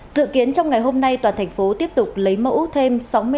dự kiến trong ngày hôm nay toàn thành phố tiếp tục lấy mẫu thêm sáu mươi năm cho các đối tượng này